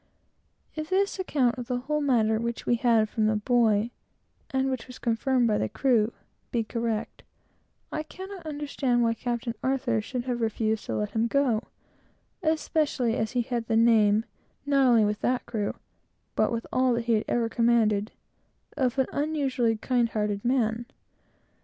If this account of the whole matter, which we had from the boy, and which was confirmed by all the crew, be correct, I cannot understand why Captain Arthur should have refused to let him go, especially being a captain who had the name, not only with that crew, but with all whom he had ever commanded, of an unusually kind hearted man.